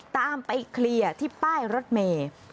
ตามไปเคลียร์ที่ป้ายรถเมย์